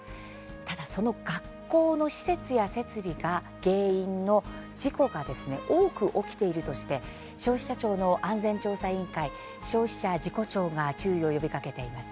ただ、その学校の施設や設備が原因の事故が多く起きているとして消費者庁の安全調査委員会消費者事故調が注意を呼びかけています。